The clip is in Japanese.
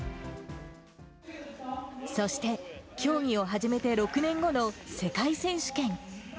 そして、競技を始めて６年後の世界選手権。